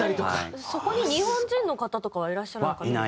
そこに日本人の方とかはいらっしゃらなかった？